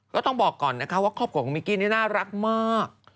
ก็ต้องบอกก่อนนะคะว่าครอบครัวของมิกกี้นี่น่ารักมาก